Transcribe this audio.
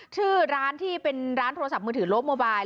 ชื่อร้านที่เป็นร้านโทรศัพท์มือถือโลกโมบาย